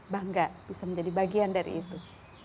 bangga bisa menjadi bagian dari itu